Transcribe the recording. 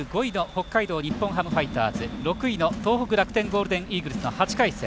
北海道日本ハムファイターズ６位の東北楽天ゴールデンイーグルスの８回戦。